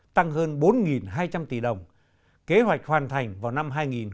tăng hơn bốn hai trăm linh tỷ đồng kế hoạch hoàn thành vào năm hai nghìn một mươi bốn